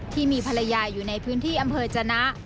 ที่มีภรรยาอยู่ในพื้นที่อำเภอจนะ